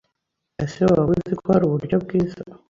Ese waba uziko hari uburyo bwiza